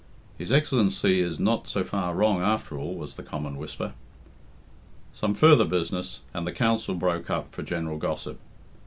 "His Excellency is not so far wrong, after all," was the common whisper. Some further business, and the Council broke up for general gossip.